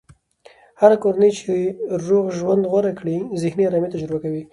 هره کورنۍ چې روغ ژوند غوره کړي، ذهني ارامي تجربه کوي.